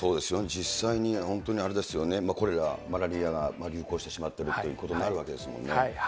実際に本当あれですよね、これら、マラリアが流行してしまっているということになるわけですもんね。